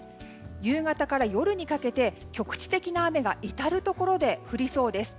夕方から夜にかけて局地的な雨が至るところで降りそうです。